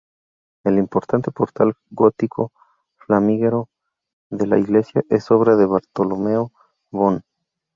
El imponente portal gótico flamígero de la iglesia es obra de Bartolomeo Bon.